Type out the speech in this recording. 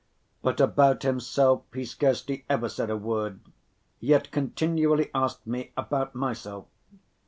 But about himself he scarcely ever said a word, yet continually asked me about myself.